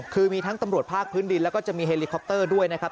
คือมีทั้งตำรวจภาคพื้นดินแล้วก็จะมีเฮลิคอปเตอร์ด้วยนะครับ